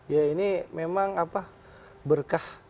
ya ini memang apa berkah